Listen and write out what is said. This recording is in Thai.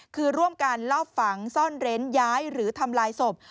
คือร่วมกันลอบฝังซ่อนเร้นย้ายหรือทำลายศพ